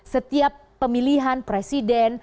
setiap pemilihan presiden